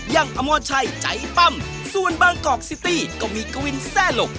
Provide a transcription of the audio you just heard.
อมรชัยใจปั้มส่วนบางกอกซิตี้ก็มีกวินแทร่หลก